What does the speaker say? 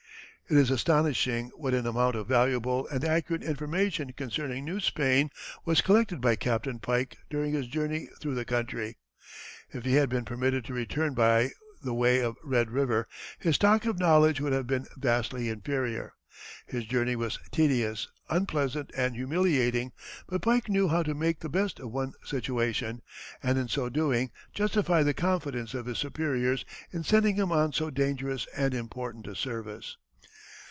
It is astonishing what an amount of valuable and accurate information concerning New Spain was collected by Captain Pike during his journey through the country. If he had been permitted to return by the way of Red River his stock of knowledge would have been vastly inferior. His journey was tedious, unpleasant, and humiliating, but Pike knew how to make the best of the situation, and in so doing justified the confidence of his superiors in sending him on so dangerous and important a service.